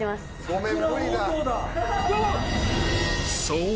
［そう。